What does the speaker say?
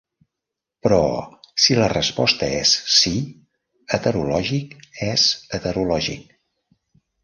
Però, si la resposta és 'sí', "heterològic" és heterològic.